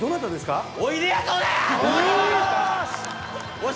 よし！